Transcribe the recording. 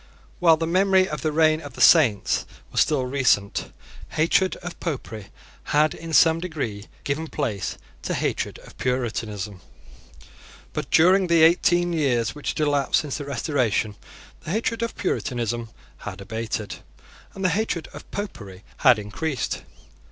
While the memory of the reign of the Saints was still recent, hatred of Popery had in some degree given place to hatred of Puritanism; but, during the eighteen years which had elapsed since the Restoration, the hatred of Puritanism had abated, and the hatred of Popery had increased.